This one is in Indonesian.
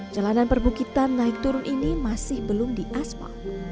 jalanan perbukitan naik turun ini masih belum di asma